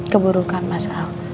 keburukan mas al